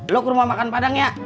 lo ke rumah makan padang ya